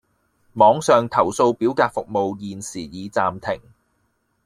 網上投訴表格服務現時已暫停